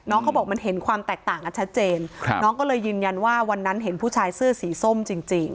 เขาบอกมันเห็นความแตกต่างกันชัดเจนครับน้องก็เลยยืนยันว่าวันนั้นเห็นผู้ชายเสื้อสีส้มจริงจริง